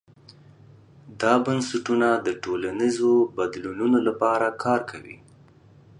دا بنسټونه د ټولنیزو بدلونونو لپاره کار کوي.